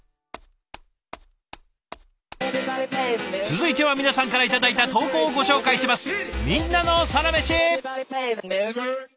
続いては皆さんから頂いた投稿をご紹介します。